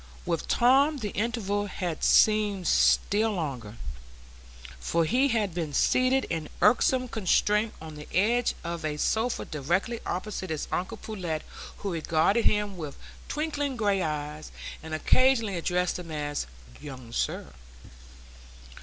With Tom the interval had seemed still longer, for he had been seated in irksome constraint on the edge of a sofa directly opposite his uncle Pullet, who regarded him with twinkling gray eyes, and occasionally addressed him as "Young sir."